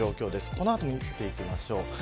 この後、見ていきましょう。